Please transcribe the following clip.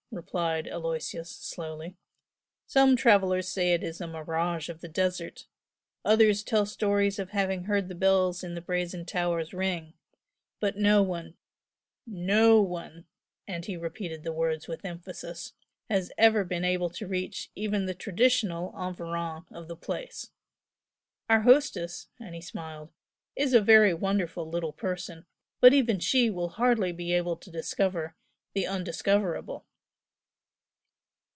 replied Aloysius, slowly "Some travellers say it is a mirage of the desert, others tell stories of having heard the bells in the brazen towers ring, but no one NO ONE," and he repeated the words with emphasis "has ever been able to reach even the traditional environs of the place. Our hostess," and he smiled "is a very wonderful little person, but even she will hardly be able to discover the undiscoverable!"